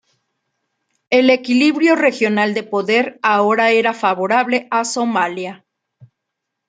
El equilibrio regional de poder ahora era favorable a Somalia.